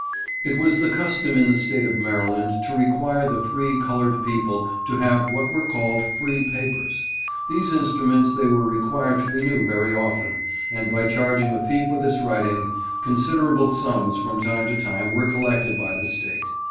It was the custom in the State of Maryland to require the free colored people to have what were called free papers. These instruments they were required to renew very often, and by charging a fee for this writing, considerable sums from time to time were collected by the State.